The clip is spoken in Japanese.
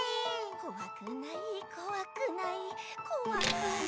こわくないこわくない。こわくな。